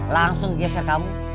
langsung geser kamu